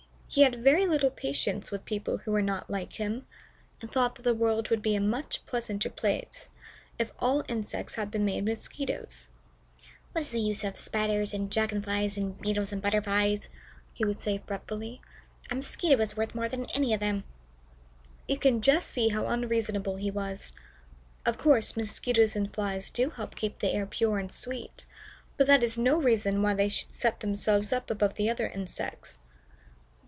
He had very little patience with people who were not like him, and thought that the world would be a much pleasanter place if all the insects had been made Mosquitoes. "What is the use of Spiders, and Dragon flies, and Beetles, and Butterflies?" he would say, fretfully; "a Mosquito is worth more than any of them." You can just see how unreasonable he was. Of course, Mosquitoes and Flies do help keep the air pure and sweet, but that is no reason why they should set themselves up above the other insects.